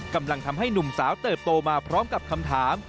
กำลังทำให้หนุ่มสาวเติบโตมาพร้อมกับคำถาม